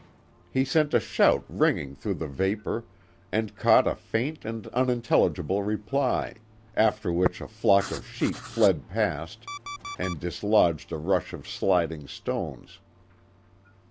He sent a shout ringing through the vapour, and caught a faint and unintelligible reply, after which a flock of sheep fled past and dislodged a rush of sliding stones.